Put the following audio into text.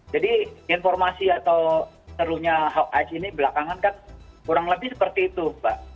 jadi informasi atau serunya hawk eyes ini belakangan kan kurang lebih seperti itu mbak